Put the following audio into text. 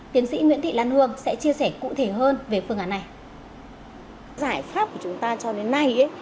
tiến sĩ nguyễn thị lan hương sẽ chia sẻ cụ thể hơn về phương án này